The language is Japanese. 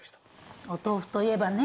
お豆腐といえばね